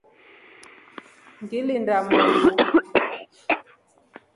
Ngilinda moni.